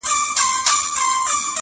نور به یې پاڼي له نسیمه سره نه نڅیږي-